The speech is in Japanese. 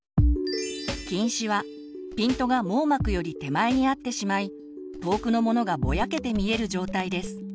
近視はピントが網膜より手前に合ってしまい遠くのものがぼやけて見える状態です。